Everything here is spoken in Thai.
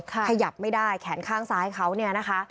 ขยับไม่ได้แขนข้างซ้ายเขาเนี่ยนะคะ